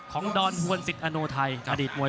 โหโหโหโหโหโหโหโหโหโหโห